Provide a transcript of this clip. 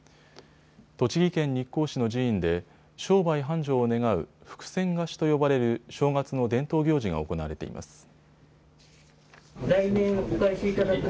栃木県日光市の寺院で商売繁盛を願う福銭貸しと呼ばれる正月の伝統行事が行われています。